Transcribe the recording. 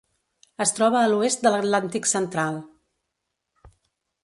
Es troba a l'oest de l'Atlàntic central: